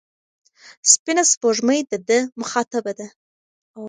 سپینه سپوږمۍ د ده مخاطبه ده.